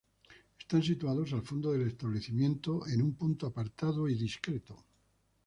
Están situados al fondo del establecimiento en un punto apartado y discreto.